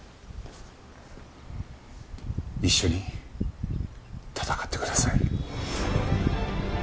一緒に闘ってください。